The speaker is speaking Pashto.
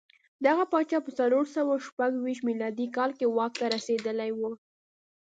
دغه پاچا په څلور سوه شپږ ویشت میلادي کال کې واک ته رسېدلی و